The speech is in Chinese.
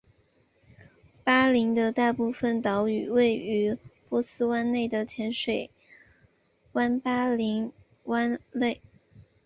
巴林的大部分岛屿位于波斯湾内的浅水湾巴林湾内。